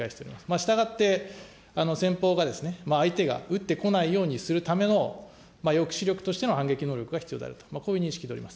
従って、先方が相手が撃ってこないようにするための抑止力としての反撃能力が必要であると、こういう認識でおります。